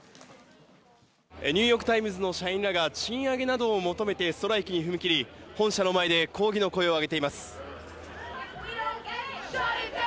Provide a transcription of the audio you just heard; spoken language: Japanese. ニューヨーク・タイムズの社員らが賃上げなどを求めてストライキに踏み切り、本社の前で抗議の声を上げています。